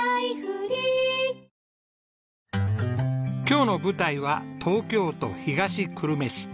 今日の舞台は東京都東久留米市。